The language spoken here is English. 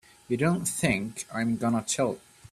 You don't think I'm gonna tell!